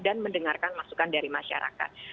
dan mendengarkan masukan dari masyarakat